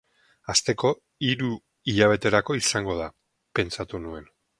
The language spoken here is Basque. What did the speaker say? Hasteko, hiru hilabeterako izango da, pentsatu nuen.